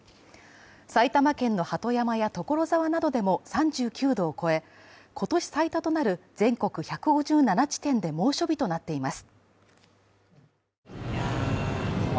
埼玉県の鳩山や所沢などでも３９度を超え、今年最多となる全国１５７地点で猛暑日となっています。